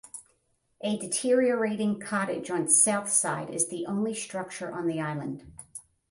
A deteriorating cottage on south side is the only structure on the island.